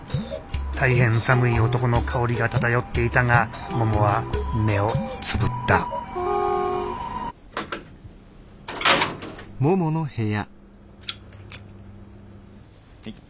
大変寒い男の香りが漂っていたがももは目をつぶったはい。